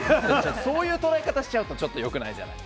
そういう捉え方しちゃうとちょっと良くないじゃない。